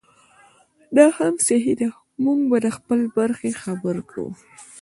دا هم صحي ده چې موږ به د خپلې برخې خبره کوو.